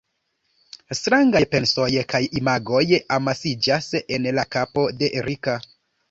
Strangaj pensoj kaj imagoj amasiĝas en la kapo de Rika.